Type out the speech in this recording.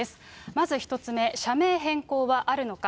まず１つ目、社名変更はあるのか。